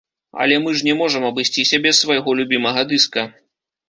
Але мы ж не можам абысціся без свайго любімага дыска.